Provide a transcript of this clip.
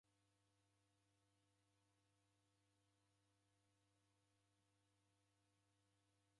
Kwaghoka sana kwamba kwarwa ijo irinda